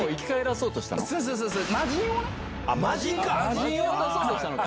魔神を出そうとしたのか。